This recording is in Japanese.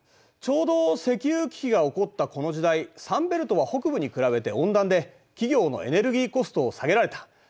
ちょうど石油危機が起こったこの時代サンベルトは北部に比べて温暖で企業のエネルギーコストを下げられた。